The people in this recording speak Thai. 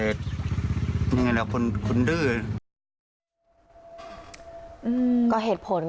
ความจำเลอะเลือนเหมือนเด็กแล้วก็ยืนยันว่าตัวเองไม่ได้ทุบตียายเพราะว่ายายดื้อจริง